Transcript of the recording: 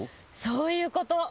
そういうこと。